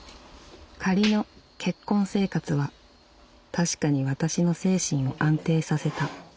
「仮の『結婚』生活は確かに私の精神を安定させた」。